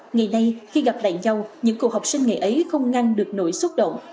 ngày nay khi gặp lại nhau những cuộc học sinh ngày ấy không ngăn được nổi xúc động